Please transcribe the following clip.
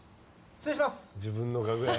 失礼します！